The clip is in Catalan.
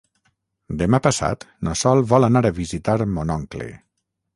Demà passat na Sol vol anar a visitar mon oncle.